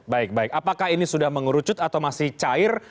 baik baik apakah ini sudah mengerucut atau masih cair